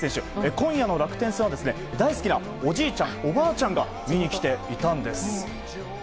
今夜の楽天戦は大好きなおじいちゃん、おばあちゃんが見に来ていたんです。